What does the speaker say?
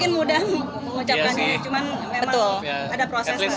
mungkin mudah mengucapkan cuman memang ada proses